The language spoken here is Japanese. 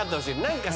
何か